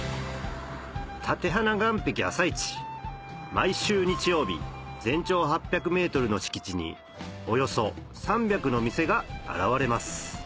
毎週日曜日全長８００ｍの敷地におよそ３００の店が現れます